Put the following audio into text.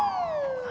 gak ada apa apa